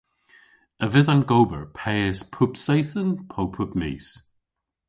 A vydh an gober peys pub seythen po pub mis?